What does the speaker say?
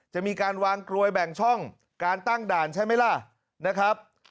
จะมีการวางกลวยแบ่งช่องการตั้งด่านใช่ไหมล่ะนะครับ